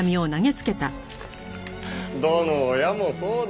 どの親もそうだ。